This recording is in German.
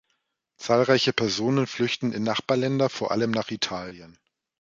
Zahlreiche Personen flüchten in Nachbarländer, vor allem nach Italien.